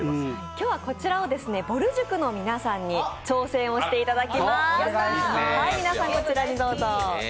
今日は、こちらをぼる塾の皆さんに挑戦していただきます。